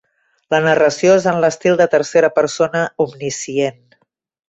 La narració és en l'estil de tercera persona omniscient.